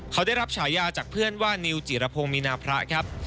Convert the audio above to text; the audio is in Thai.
เขาได้รับฉายาจากเพื่อนว่านิวจิรพงศ์มีนาพระครับ